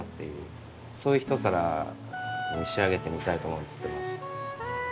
そういう一皿に仕上げてみたいと思っています。